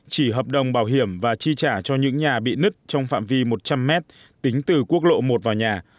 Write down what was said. chỉ hợp đồng bảo hiểm và chi trả cho những nhà bị nứt trong phạm vi một trăm linh mét tính từ quốc lộ một vào nhà